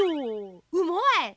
うまい！